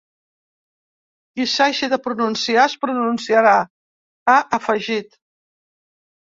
Qui s’hagi de pronunciar es pronunciarà, ha afegit.